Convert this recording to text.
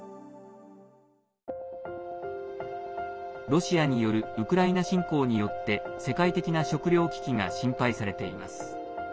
ロシアによるウクライナ侵攻によって世界的な食料危機が心配されています。